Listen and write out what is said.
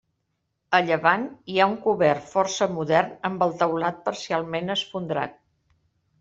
A llevant hi ha un cobert força modern amb el teulat parcialment esfondrat.